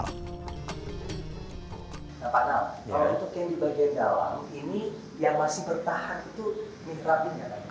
pak nal kalau untuk yang di bagian dalam ini yang masih bertahan itu mihrat ini nggak